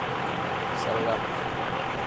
Salgamos.